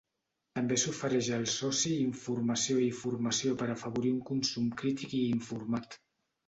També s’ofereix al soci informació i formació per a afavorir un consum crític i informat.